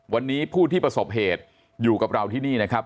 วันนี้ผู้ที่ประสบเหตุอยู่กับเราที่นี่นะครับ